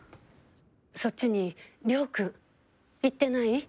そっちに亮君行ってない？